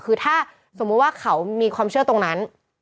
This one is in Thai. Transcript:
คือถ้าสมมุติว่าเขามีความเชื่อตรงนั้น